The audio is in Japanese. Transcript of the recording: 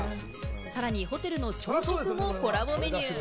さらにホテルの朝食もコラボメニュー。